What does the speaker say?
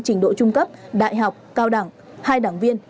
trình độ trung cấp đại học cao đẳng hai đảng viên